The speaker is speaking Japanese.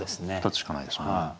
２つしかないですもんね。